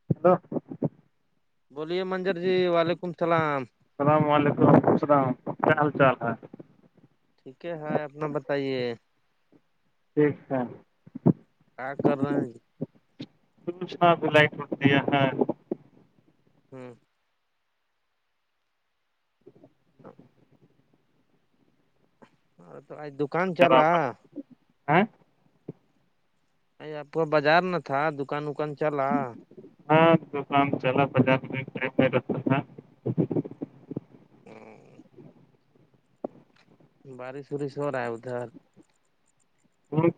[unintelligible] بولیے منجر جی وعلیکم السلام السلام علیکم رحم السلام کیا حال چال ہے ٹھیک ہے اپنا بتائیے ٹھیک ہے کیا کر رہے ہیں جی؟ شنا بلائی کر دیا ہے ہمم [inaudible] ہاں تو دکان چلا ہیں ا آپ کو بازار نہ تھا دکان وکان چلا رہا ہاں تو کام چلا بازار ٹائم میں رہتا تھا ہوں بارش وورش ہو رہا ہے ادھر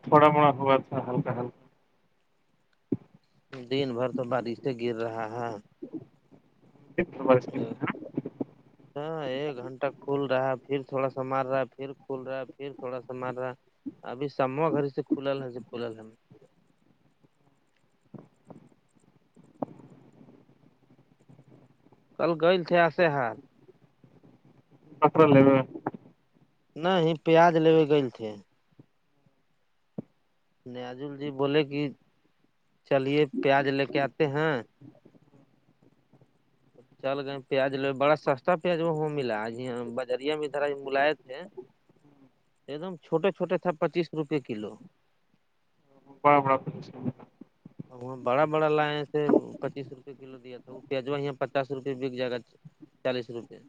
تھوڑا موڑا ہوا تھا ہلکا ہلکا دن بھر تو بارش سے گر رہا ہے [inaudible] ہاں ایک گھنٹہ کھل رہا ہے پھر تھوڑا سا مار رہا ہے پھر کھل رہا ہے پھر تھوڑا سا مار رہا ابھی ساموا گھر سے کھلل ہے کھلل ہیں کل گئل تھے آسے ہاتھ پتر لے نہیں ہی پیاز لوے کے تھے نیاجل جی بولے کہ چلیے پیاز لے کے آتے ہیں چل گ پیاز لو بڑا سستا پیاز وہ ملا جاں بجریا میں ادھر مائت ہے ایک دم چھوٹے چھوٹے تھا پچیس روپئے کلو پ بڑا تو وہاں بڑا بڑا لایاسے پچیس روپئے کلو دیا تھا وہ پیزوا یہاں پچاس روپئے بک جائے گا چالیس روپئے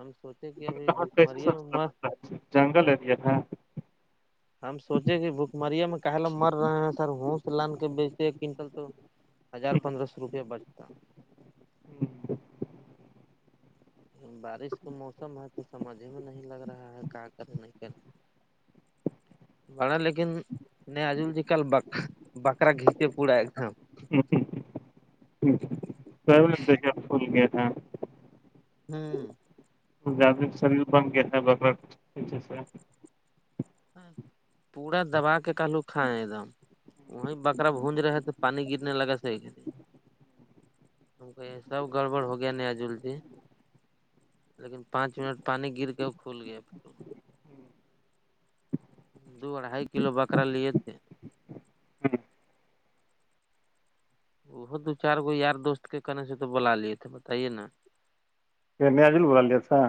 ہم سوچے کہ ابھی کہا بھک کیسے مری ہے میں سستا ماں ملتا ہے جنگل ایریا ہے ہم سوچے کہ بھکمریا میں کا لوگ مر رہے ہیں سر ہس لان کے بیچتے ایک کنٹل تو ہزار پندرہ سو روپئے بچتا بارش کا موسم ہے تو سمجھ میں نہیں لگ رہا ہے کا کرے نہیں کرے بڑا لیکن ن آجل جی کل بکرا گھیچے پڑا ایک دم سرش فول گیا تھا ہیں ہوں زیادہ سروس بند گتا ہے بکرای سے پورا دبا کے کہلو کھائ ایک دم وہیں بکرا بونج رہے تھے پانی گرنے لگا سے ت کو یہ سب گڑبڑ ہو گیا نیاجول ج لیکن پانچ منٹ پانی گر کے کھول گیا دو اھائی کلو بکرا لیے تھے وہ دو چار گو یار دوست کے کہنے سے تو بلا لیے تھے بتائیے نا پ نیازل بوول رہیے تھا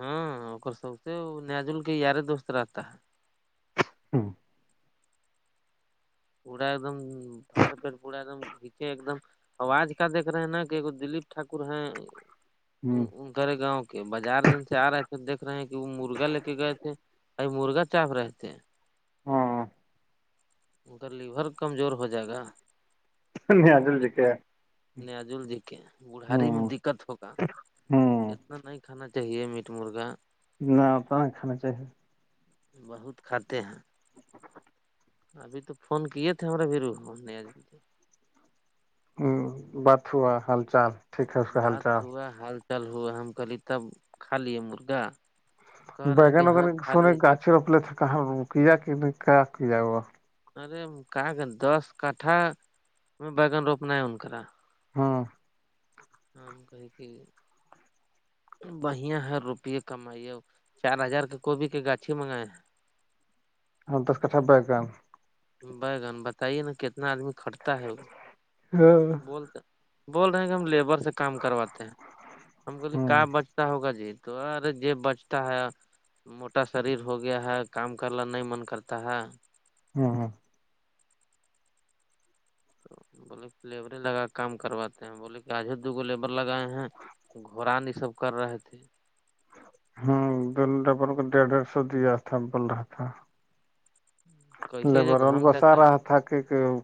ہاں اور سو سے نزل کے یارے دوست رہتا ہے پورا ایک دم فار پیر پورا ایک دم پیچھے ایک دم آواز کا دیکھ رہے ہیں نا کہ دلیپ ٹھاکر ہیں ہوں ان کرے گاؤں کے بازار دن سے آ رہے پ دیکھ رہے ہیں کہ وہ مرغا لے کے گئے تھے اائی مرغا چ آپ رہتے ان کا لیور کمزور ہو جائے گا نیاجل جکے ہے نجول جی کے بوڑھاری میں ہوں دقت ہوگا ہوں نہیں کھانا چاہیے میٹ مرغا نہت نہیں کھانا چاہیے بہت کھاتے ہیں ابھی تو فون کیے تھے ہمارا بھییرو ہم نہیں آج بھی تھے ہ باتھوا حال چال ٹھیک ہے اس کا ہال بات چال ہوا حال چال ہوا ہم کے تب کھا لے مرغا کہہ رہے ہیں بگن کہ ہاں وگین کھا سونے لیے گاچھھی روپ لیے تھے کہاں کیا کہ نہیں کیا کیا ہوا ارے کہ کہ دس کٹھا میں بیگن روپنا ہے انکرا ہاں ہمم کہیں کہ بڑھیا ہے روپیے کمائیے چار ہزار کا گبھی کے گاچھی منگائے ہیں ہاں دس کٹھا ب گان بیگن بتائیے نا کتنا آدمی کھٹتا ہے وہ ہاں بولتے بول رہے ہیں کہ ہم لیبر سے کام کرواتے ہیں ہم بولے ب ا ہوگا جی تو ار یہ بچتا ہے موٹا شریر ہو گیا ہے کام کرنا نہیں من کرتا ہے ہاں ہاں بولے لیبریں لگا کام کرواتے ہیں بولے کہ آج ہی دوگو لیبر لگائے ہیں گھڑان یہ سب کر رہے تھے ہوں دونوں ڈبل کو ڈیڑھ ڈیڑھ سو دیا تھا بول رہا تھا کیسے لیبر جو ان گھم کو سا جاتا ہے رہا تھا کہ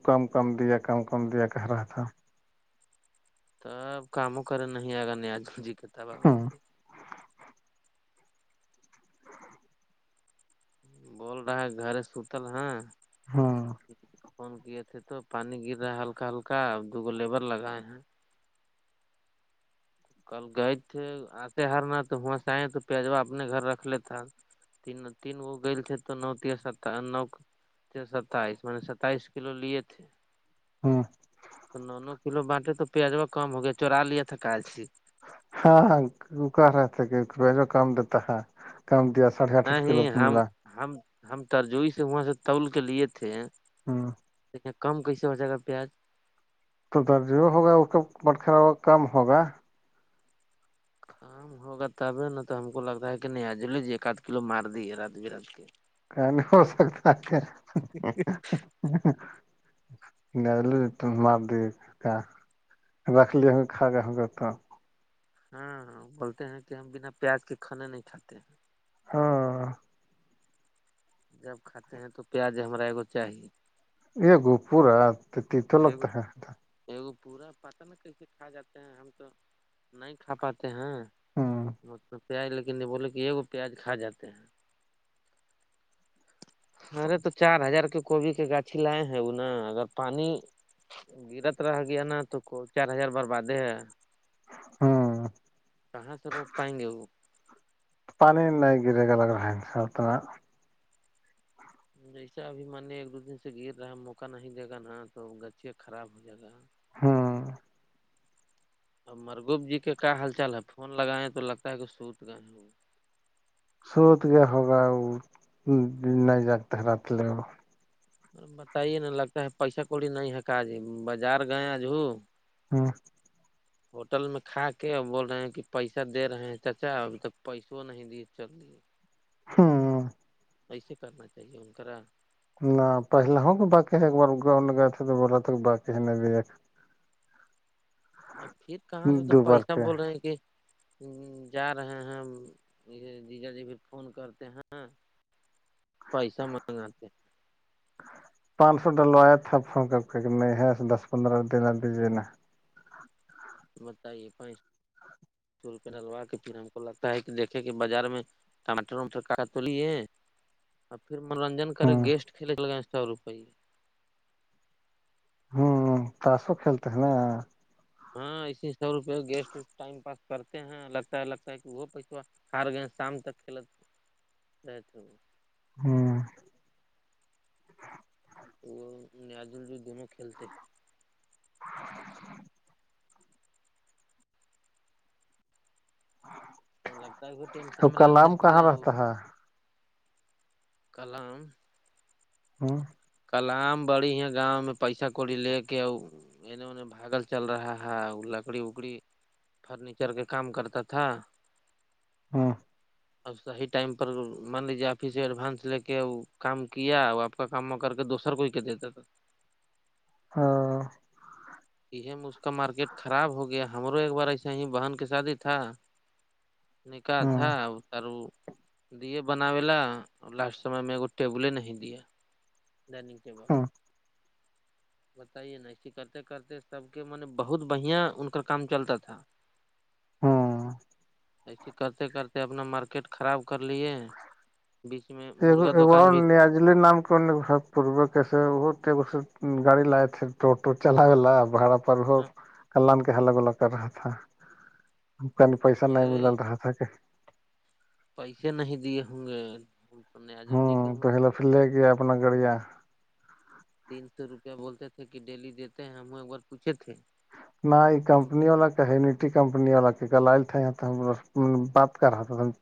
کم کم دیا کم کم دیا کہ رہا تھا تب کاموں کریں نہیں آگا ن آج جی کتا بابی ہوں سے سے بول رہا ہے گھر سوتل ہ ہاں فون کیے تھے تو پانی گر رہا ہلکا ہلکا اب دو گو لیبر لگائے ہیں کل گئے تھے آتے ہار نہ تو وہس آئےیں تو پیجوا اپنے گھر رکھ لیتا تین تین وہ گیل تھے تو نو تیا س نو ستائیس میں نے ستائیس کلو لیے تھے ہاں تو نو نو کلو بانٹے تو پیازوا کم ہو گیا چورا لیا تھا کچ سے ہاں ہاںک رہتے کہ رپ جو کام دیتا ہے کام دیا ساھ نہیں ہم ہم ہم ترجوی سے وہاں سے تول کے لیے تھے ہ د کم کیسے ہو جائے گا پیاز تو درج ہوگا اس کا بٹخرا ہوا کم ہوگا ہاں ہوگا تب ہے نا تو ہم کو لگتا ہے کہ نہیں آج لیجیے ایک آدھ کلو مار دیے رات ب رات کے ک نہیں ہو سکتا ن مار دی رکھ لی ہ کھ کے ہم ہاں بولتے ہیں کہ ہم بنا پیاز کے کھانے نہیں کھاتے ہیں ہاں جب کھاتے ہیں تو پیاز ہمارا ایگو چاہیے یہ گو پورا ت ت لگتا ہے ایکگو پورا پتا نا کیسے کھا جاتے ہیں ہم تو نہیں کھا پاتے ہیں ہ م پیاز لیکن یہ بولے کہ یہگو پیاز کھا جاتے ہیں ارے تو چار ہزار کے کوبھی کے گاچھی لائے ہیں وہ نا اگر پانی گرت رہا گیا نا تو کو چار ہزار بربادیں ہے ہ کہاں سے روک پائیں گے وہ پانی نہیں گرے گ لگ رہا ہیں ان سا اتنا جیسا ابھی ماننی ایک دو دن سے گر رہا ہے موقع نہیں دے گا نا تو گچے خراب ہو جائے گا ہاں اب مرگوب جی کے کیا ہل چال ہے فون لگائیں تو لگتا ہے کہ سوت گ ہو سوود کےیا ہوگا نہیں جاگتے رات لے سر بتائیے نا لگتا ہے پیسہ کوڑی نہیں ہے کاجی بازار گئے آج ہ ہاں ہوٹل میں کھا کے اور بول رہے ہیں کہ پیسہ دے رہے ہیں چاچا ابھی تک پیسوں نہیں دیے چل رہیے ہاں کیسے کرنا چاہیے ان کاا نہ پہل ہو کہ باقی ہے ایک بار گاؤں گئے تھے تو بولا تھا باقی ہے نہیں بھی ایک ا پھر کہاں سے تو دو بار پیسہ کے بول رہے ہیں کہ جا رہے ہیں دی جا جی پھر فون کرتے ہیں پیسہ مانگاتے پانچ سو ڈلوایا تھا فون کر کے کہ نہیں ہے دس پندرہ دینا دیجیے نا بت چور پہ ڈلوا کے پھر ہم کو لگتا ہے کہ دیکھے کہ بازار میں ٹماٹر وٹکا تولیے اور پھر منورنجن کرے ہوں گیسٹ کھیلے کے لگے سو روپی ہوں تاشو کھیلتے ہیں نا ہاں اسی سو روپئے گیسٹ ٹائم پاس کرتے ہیں لگتا ہے لگتا ہے کہ وہ پیسوا کار گئے شام تک کھیل رہتے ہو ہوں وہ نیازل بھی دونوں کھیلتے ہیں ہاں لگتا ہے پھر ٹینت ن م ل کسپت گئے وہ رہتا ہے کلام ہوں کلام بڑی ہے گاؤں میں پیسہ کڑی لے کے انے انہیں بھاگل چل رہا ہے لکڑی اکڑی فرنیچر کا کام کرتا تھا ہاں ا صحیح ٹائم پر مان لیجیے آفس ایڈوانس لے کے کام کیا آپ کا کام م کر دوسر کوئی کہ دیتا تھا ہاں کہ م اس کا مارکیٹ خراب ہو گیا ہماروں ایک بار ایسے ہی بہن کی شادی تھا نکاح تھا ا تر وہ دیے بنابے ل لاسٹ سمے میں ایگ ٹیبلے نہیں دے ڈائنگ ہوں بتائیے نسی کرتے کرتے سب کے م بہت بڑھیا ان کا کام چلتا تھا ہوں ایسی کرتے کرتے اپنا مارکیٹ خراب کر لیے بیچ میں مرغا دکان بھی ج نام پ گاڑی لگ تھ ٹوٹو چلاے ل باڑا پر وہ کلن کے الگ الگ کر رہا تھا ا ک پیسہ نہیں ارے مل رہا تھا کہ پیسے نہیں دیے ہوں گے بول نجل جی کے ہوں گے پھر لے کےیا اپنا گڑیا تین سو روپیہ بولتے تھے کہ ڈیلی دیتے ہیں ہم ایک بار پوچھے تھے ن یہ کمپنی والا کہ مٹی کمپنی والا کی گل تھ بات کر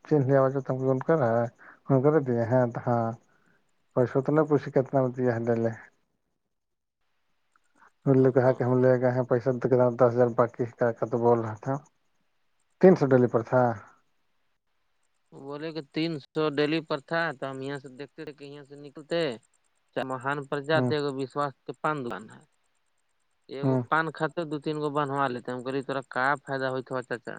چین لی آواز ت کو کرا ہے کر د ہیں تو ہاں پیسو اتنا پوچھ کتنا بت ہے لےے ان نےو کہا ہاں کہ ہم لے گئے ہیں پیسہ دس ہزار باقی کا کا تو بول رہا تھا تین سو ڈلی پر تھا بولے کہ تین سو ڈیلی پر تھا تو ہم یہاں سے دیکھتے تھے کہ یہاں سے نکلتے مہان ہوں پرجاتشواس کے پان د ہے ہوں پان خط تو دو تین گو بنوا لیتے ہم کہے تا کا فائد ہوا اچھا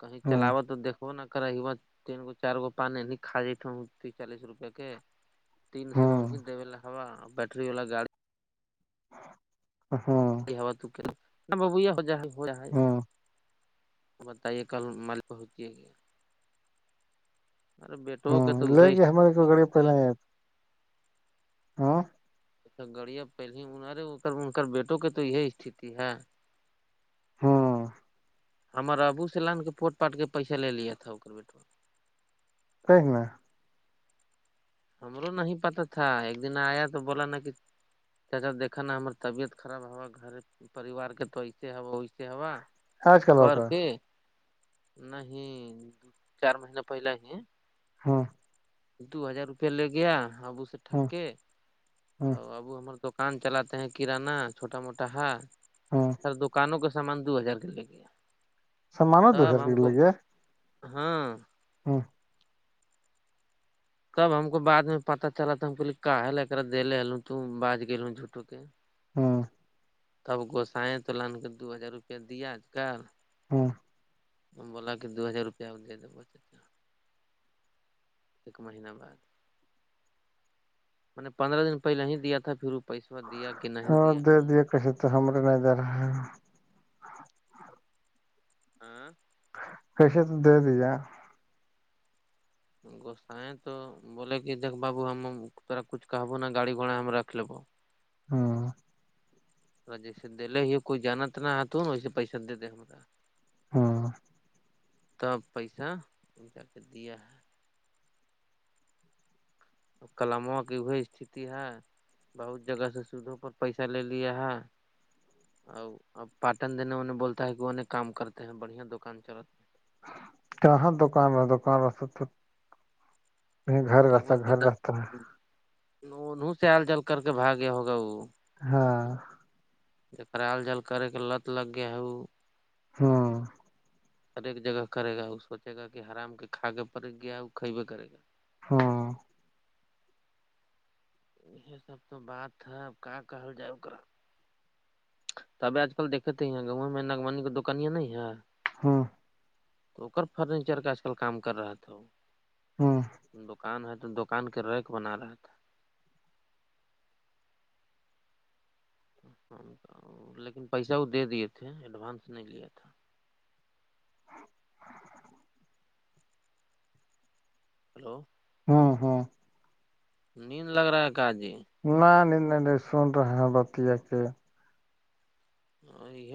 کہیں ہوں چلاوا تو دھو ن کراا تین گو چار گو پانی ن کا جت چالیس روپے تین سو ہوں انہ دی ل ہوا بٹری والا گاڑی ہاں ا تو کیا ببو یہ ہو جا ہو ج ہے ہوں بتائیے کل ملک ہوتی ہے کیا بیٹو ہاں کے تو لے ہے گی ہماریے کو گاڑی پہل آ ہ اھ گڑیا پہل ہی ہہر ہو کر انک بیٹوں کے تو یہی استھتی ہے ہاں ہمار ابو سلان کے پوٹ پاٹ کے پیسہ لے لیےیا تھا بیٹا ایک ن ہمرو نہیں پتا تھا ایک دن آیا تو بولا نا کہ چچا دیکا نا ہمر طبیعت خراب ہوا گھر پریوار کے تو ایسے ہوا ویسے ہوا آج کل ہو کر کے نہیں چار مہین پہلا ہی ہاں دو ہزار روپیہ لے گیا ابو سے ٹھک ہوں کے ہوں اور اب ابو ہمار دکان چلاتے ہیں کرانہ چھوٹا موٹا ہےا ہاں دکانوں کا سامان دو ہزار کے لے گ ت سامانو دو اب ہزار ہم کے کو ہاں ہاں تب ہم کو بع میں پتا چلا تھا ہمے کال ارا دے ہل ت بج گ جھوٹوں کے ہاں تب گوسائیں تولہان کے دو ہزار روپیہ دیا کر ہاں ہم بولا کہ دو ہزار روپیہ دے د ایک مہینہ بعد میں نے پندرہ دن پہلے ہی دیا تھا پھرپ پیسہ دیا کہ نہیں ہاں دیا دے ہم نے کیسے تو ہمرے نہیں دے رہا ہیں ہاں خشے تو د دیا گوسیں تو بولے کہ دیک بابو ہم تا کچھ کہب نا گاڑی گوڑا ہم رکھ لب ہاں تھوڑا جیسے دے ہی کوئی جانا ت نہا تو نا ویسے پیسہ دے دے ہما ہاں تب پیسہ ان سا کے دیا ہے کلموں کی ای استھتی ہے بہت جگہ سے سھ پر پیسہ لےی ا اب پاٹن دینے انہیں بولتا ہے کہ ان کام کرتے ہیں بڑیا دکان چل کہاں دکان ہے دکان رہ سب تو گھر ایک ب رہتا روپئے گھر رہتا ہے انہوں سے ہل جل کر کے بھاگیا ہوگا وہ ہاں ج کر عل جال کرے کے لت لگ گیا ہ ہاں ہر ایک جگہ کرے گا وہ سوچے گا کہ آرام کے کھاگے پڑے گیا وہ کھیبے کرے گا ہاں یہ سب تو بات ہے اب کہاں کہل جائے ا کرا تبھی آج کل دیکھتے ہی ہیں گاؤں میں ناگمانی کی دکانیاں نہیں ہے ہاں تو ار فرنیچر کا آج کل کام کر رہا تھا وہ ہاں دکان ہے تو دکان کے رییک بنا رہا تھا لیکن پیسہ وہ دے دیے تھے ایڈوانس نہیں لیا تھا ہلو ہاں ہاں نیند لگ رہا ہے کہ جی ن نہیں نہیں نہیں سن رہے ہیں بتیا کے ہاں یہ